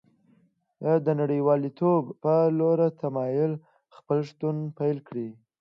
د نړیوالتوب په لور تمایل خپل شتون پیل کړی